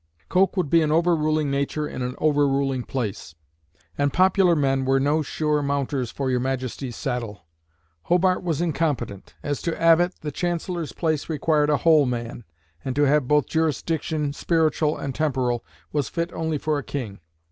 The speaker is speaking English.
Coke would be "an overruling nature in an overruling place," and "popular men were no sure mounters for your Majesty's saddle." Hobart was incompetent. As to Abbott, the Chancellor's place required "a whole man," and to have both jurisdiction, spiritual and temporal, "was fit only for a king."